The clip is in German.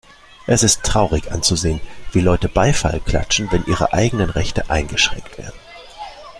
Es ist traurig anzusehen, wie Leute Beifall klatschen, wenn ihre eigenen Rechte eingeschränkt werden.